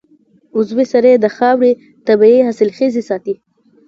عضوي سرې د خاورې طبعي حاصلخېزي ساتي.